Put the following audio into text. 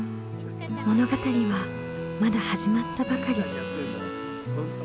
物語はまだ始まったばかり。